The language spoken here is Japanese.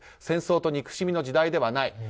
戦争と憎しみの時代ではない。